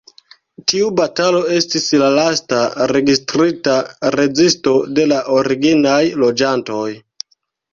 Tiu batalo estis la lasta registrita rezisto de la originaj loĝantoj.